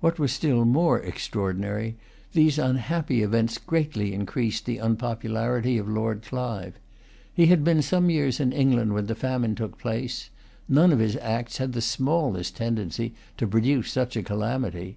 What was still more extraordinary, these unhappy events greatly increased the unpopularity of Lord Clive. He had been some years in England when the famine took place. None of his acts had the smallest tendency to produce such a calamity.